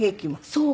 そう。